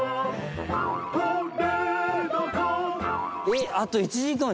えっ。